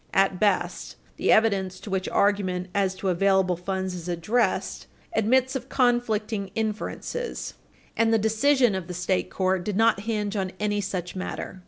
At best, the evidence to which argument as to available funds is addressed admits of conflicting inferences, and the decision of the state court did not hinge on any such matter.